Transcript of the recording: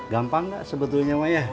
gampang gak sebetulnya pak ya